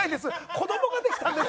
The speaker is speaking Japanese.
子供ができたんです。